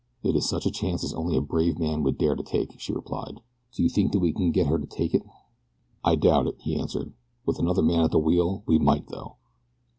"It is such a chance as only a brave man would dare to take," she replied. "Do you think that we can get her to take it?" "I doubt it," he answered. "With another man at the wheel we might, though."